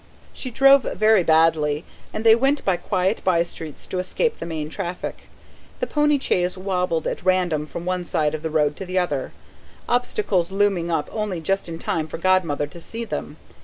She drove very badly, and they went by quiet by streets to escape the main traffic: the pony chaise wobbled at random from one side of the road to the other, obstacles looming up only just in time for Godmother to see them.